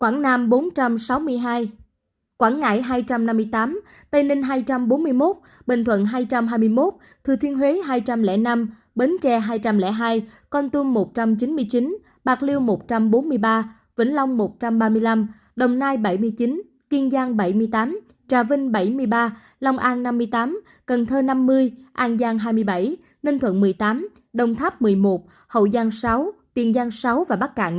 quảng nam bốn trăm sáu mươi hai quảng ngãi hai trăm năm mươi tám tây ninh hai trăm bốn mươi một bình thuận hai trăm hai mươi một thừa thiên huế hai trăm linh năm bến tre hai trăm linh hai con tum một trăm chín mươi chín bạc liêu một trăm bốn mươi ba vĩnh long một trăm ba mươi năm đồng nai bảy mươi chín kiên giang bảy mươi tám trà vinh bảy mươi ba lòng an năm mươi tám cần thơ năm mươi an giang hai mươi bảy ninh thuận một mươi tám đồng tháp một mươi một hậu giang sáu tiền giang sáu và bắc cạn năm